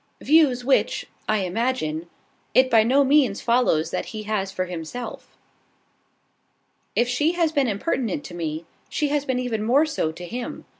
"Views which, I imagine, it by no means follows that he has for himself. If she has been impertinent to me, she has been even more so to him.